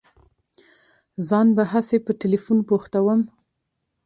ځان به هسي په ټېلفون بوختوم.